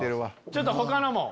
ちょっと他のも。